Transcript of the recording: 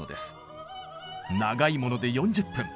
長いもので４０分。